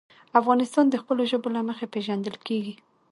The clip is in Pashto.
افغانستان د خپلو ژبو له مخې پېژندل کېږي.